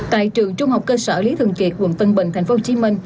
tại trường trung học cơ sở lý thường kiệt quận tân bình tp hcm